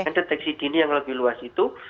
dan deteksi dini yang lebih luas itu